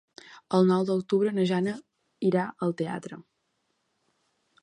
El nou d'octubre na Jana irà al teatre.